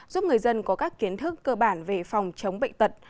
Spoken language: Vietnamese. giúp người dân có các kiến thức cơ bản về phòng chống bệnh tật